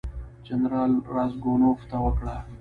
جنرال راسګونوف ته وکړه.